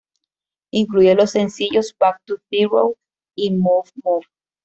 Incluye los sencillos 'Back to Zero' y 'Move Move'.